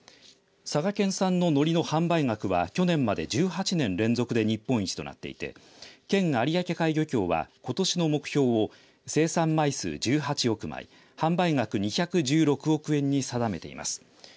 佐賀県産のノリの販売額は去年まで１８年連続で日本一となっていて県有明海漁協は、ことしの目標を生産枚数１８億枚販売額２１６億円に定めています。